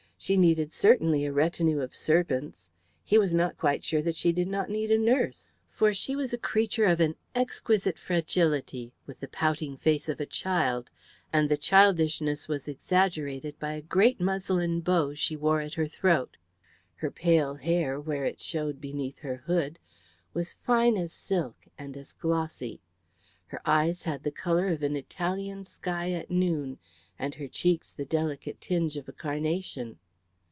She needed certainly a retinue of servants. He was not quite sure that she did not need a nurse, for she was a creature of an exquisite fragility, with the pouting face of a child, and the childishness was exaggerated by a great muslin bow she wore at her throat. Her pale hair, where it showed beneath her hood, was fine as silk and as glossy; her eyes had the colour of an Italian sky at noon, and her cheeks the delicate tinge of a carnation.